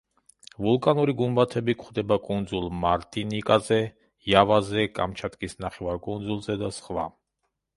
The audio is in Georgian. ვულკანური გუმბათები გვხვდება კუნძულ მარტინიკაზე, იავაზე, კამჩატკის ნახევარკუნძულზე და სხვა.